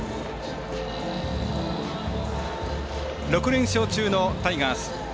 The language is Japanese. ６連勝中のタイガース。